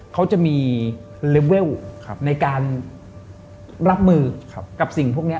เขาจะมีเลเวลในการรับมือกับสิ่งพวกนี้